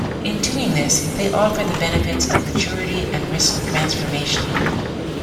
In doing this, they offer the benefits of maturity and risk transformation.